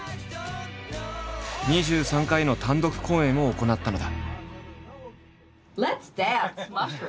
２３回の単独公演を行ったのだ。